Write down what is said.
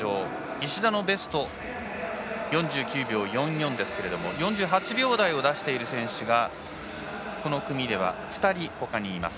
石田のベスト４９秒４４ですけれども４８秒台を出している選手がこの組で２人、ほかにいます。